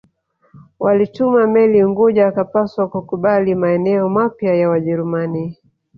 Walituma meli Unguja akapaswa kukubali maeneo mapya ya Wajerumani